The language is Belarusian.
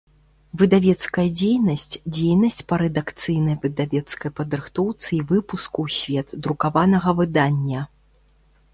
Выдавецкая дзейнасць – дзейнасць па рэдакцыйна-выдавецкай падрыхтоўцы i выпуску ў свет друкаванага выдання.